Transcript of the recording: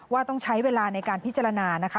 ว่าต้องใช้เวลาในการพิจารณานะคะ